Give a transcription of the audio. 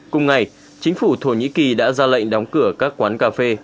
cùng ngày chính phủ thổ nhĩ kỳ đã ra lệnh đóng cửa các quán cà phê